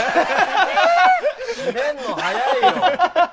締めるの早いよ！